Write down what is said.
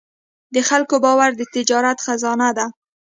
د خلکو باور د تجارت خزانه ده.